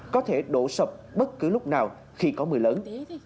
có thể đổ sập bất cứ lúc nào khi có mưa lớn